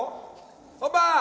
本番！